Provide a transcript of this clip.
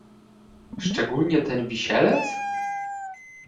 "Szczególnie ten Wisielec?"